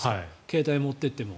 携帯を持っていっても。